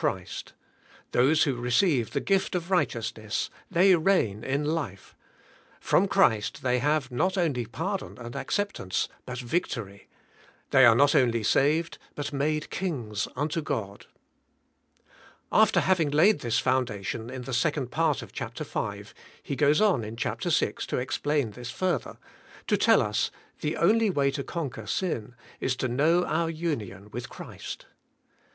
LIFE. Christ; those who receive the g^ift of rig hteousness, the J reign in life; from Christ they have not only pardon and acceptance but victory; they are not only saved, but made kings unto God. After having laid this foundation in the second part of Chap. 5, he goes on in Chap. 6 to explain this further; to tell us the only way to conquer sin is to know our union with Christ.